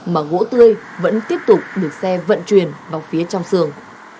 mà gỗ tươi vẫn tiếp tục được xe vận truyền vào phía trong sường